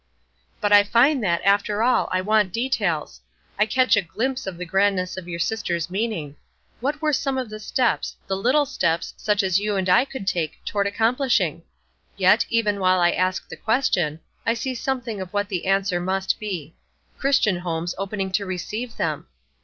"But I find that, after all, I want details. I catch a glimpse of the grandness of your sister's meaning. What were some of the steps, the little steps, such as you and I could take, toward accomplishing? Yet, even while I ask the question, I see something of what the answer must be. 'Christian homes opening to receive them!'